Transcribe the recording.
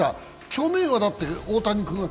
去年は大谷君が